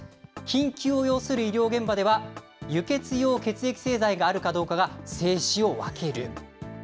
緊急を要する医療現場では、輸血用血液製剤があるかどうかが生死を分ける。